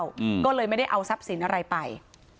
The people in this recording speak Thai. อืมก็เลยไม่ได้เอาทรัพย์สินอะไรไป